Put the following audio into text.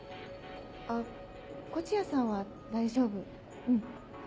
あっ東風谷さんは大丈夫うん。